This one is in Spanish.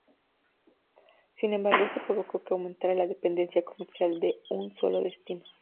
Sin embargo, esto provocó que aumentara la dependencia comercial de un solo destino.